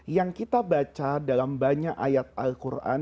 yang kita baca dalam banyak ayat al quran